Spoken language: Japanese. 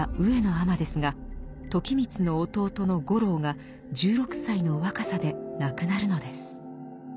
尼ですが時光の弟の五郎が１６歳の若さで亡くなるのです。